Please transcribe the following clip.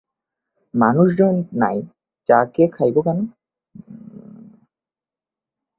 মানুষজন নাই, চা কে খাইব কন?